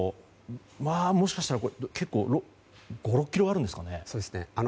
もしかしたら５６ｋｇあるんですかね。